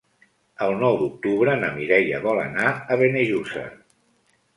El nou d'octubre na Mireia vol anar a Benejússer.